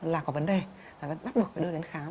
là có vấn đề là bắt buộc phải đưa đến khám